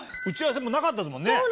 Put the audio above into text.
打ち合わせもなかったですもんね。